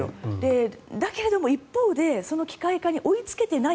だけれども、その一方で機械化に追いつけていない